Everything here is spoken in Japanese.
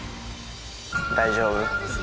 大丈夫？